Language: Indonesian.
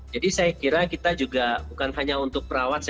jadi saya kira kita juga bukan hanya untuk perawat